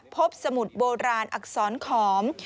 พร้อมกันก็คาดว่าอายุนับร้อยปีแล้วนะคะ